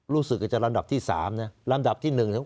รู้สึกจะลำดับที่สามน่ะลำดับที่หนึ่ง